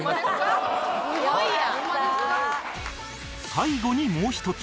最後にもう一つ